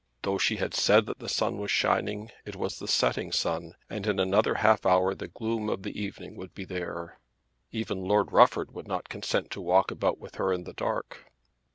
Though she had said that the sun was shining, it was the setting sun, and in another half hour the gloom of the evening would be there. Even Lord Rufford would not consent to walk about with her in the dark.